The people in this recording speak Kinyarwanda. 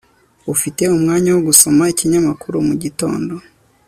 ufite umwanya wo gusoma ikinyamakuru mugitondo